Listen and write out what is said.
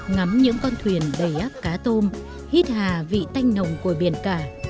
ngắm những con thuyền đầy áp cá tôm hít hà vị thanh nồng của biển cả